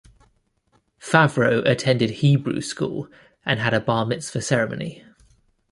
Favreau attended Hebrew school and had a Bar Mitzvah ceremony.